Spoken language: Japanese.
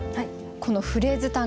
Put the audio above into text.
この「フレーズ短歌」